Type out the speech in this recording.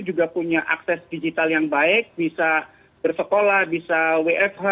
juga punya akses digital yang baik bisa bersekolah bisa wfh